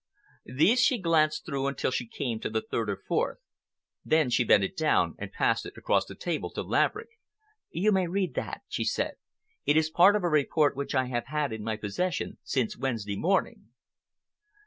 These she glanced through until she came to the third or fourth. Then she bent it down and passed it across the table to Laverick. "You may read that," she said. "It is part of a report which I have had in my possession since Wednesday morning."